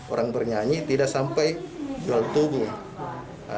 orang bernyanyi tidak sampai jual tubuh